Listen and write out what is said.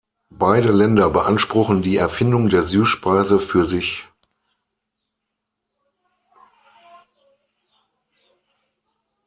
Beide Länder beanspruchen die Erfindung der Süßspeise für sich.